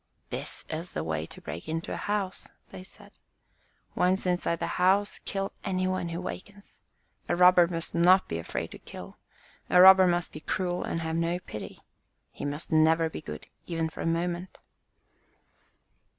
"This is the way to break into a house," they said. "Once inside the house kill any one who wakens. A robber must not be afraid to kill. A robber must be cruel and have no pity. He must never be good, even for a moment."